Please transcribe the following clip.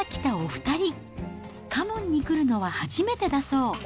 花門に来るのは初めてだそう。